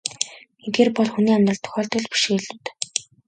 Эдгээр бол хүний амьдралд тохиолддог л бэрхшээлүүд.